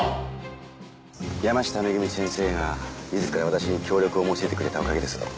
山下めぐみ先生が自ら私に協力を申し出てくれたおかげですよ。